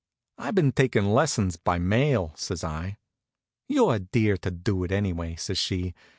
"I've been taking lessons by mail," says I. "You're a dear to do it, anyway," says she.